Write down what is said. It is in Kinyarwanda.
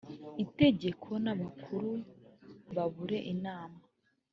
itegeko n abakuru babure inama